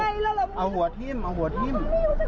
พ่อแม่รีบขับรถติดหัวใจหยุดเต้น